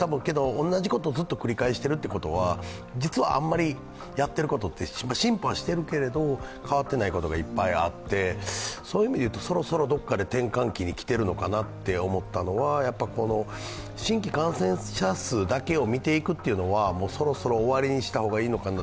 同じことをずっと繰り返しているということは、実はやっていることは進歩はしているけれども、変わっていないことがいっぱいあってそういう意味で言うと、そろそろどこかで転換期に来ているのかなと思ったのは新規感染者数だけを見ていくというのは、もうそろそろ終わりにした方がいいのかな。